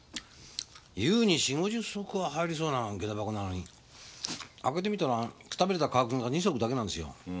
優に４０５０足は入りそうな下駄箱なのに開けてみたらくたびれた革靴が２足だけなんですよ。